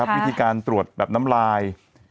วิธีการตรวจแบบน้ำลาย